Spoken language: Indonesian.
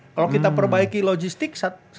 kalau kita perbaiki logistik